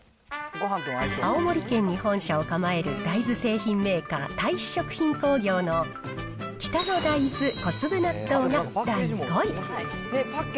青森県に本社を構える大豆製品メーカー、太子食品工業の北の大豆小粒納豆が第５位。